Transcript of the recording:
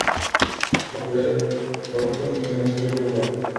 La figura de los Torozos no es demasiado irregular.